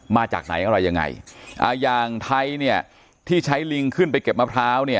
มาจากไหนอะไรยังไงอ่าอย่างไทยเนี่ยที่ใช้ลิงขึ้นไปเก็บมะพร้าวเนี่ย